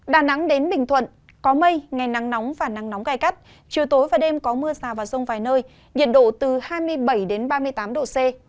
đà nẵng đến bình thuận có mây ngày nắng nóng và nắng nóng gai gắt chiều tối và đêm có mưa rào và rông vài nơi nhiệt độ từ hai mươi bảy ba mươi tám độ c